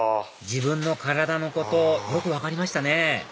自分の体のことよく分かりましたね